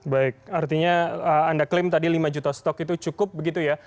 baik artinya anda klaim tadi lima juta stok itu cukup begitu ya